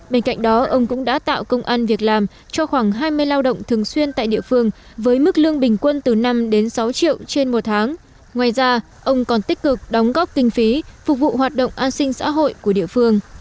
bên cạnh đó ông cũng đã tạo công an việc làm cho khoảng hai mươi lao động thường xuyên tại địa phương với mức lương bình quân từ năm đến sáu triệu trên một tháng ngoài ra ông còn tích cực đóng góp kinh phí phục vụ hoạt động an sinh xã hội của địa phương